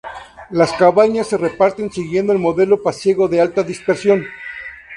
Las cabañas se reparten siguiendo el modelo pasiego de alta dispersión.